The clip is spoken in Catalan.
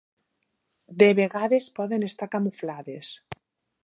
De vegades poden estar camuflades.